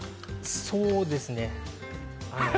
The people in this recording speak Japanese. そうですね。